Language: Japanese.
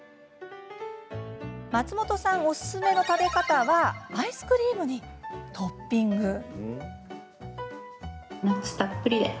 松本さんおすすめの食べ方はアイスクリームにトッピング。